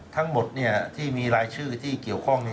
ทั้งหมดที่มีรายชื่อที่เกี่ยวข้องนี้